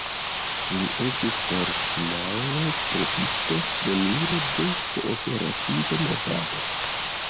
Li estis originale presisto, pioniro de kooperativa movado.